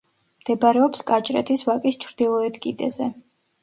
მდებარეობს კაჭრეთის ვაკის ჩრდილოეთ კიდეზე.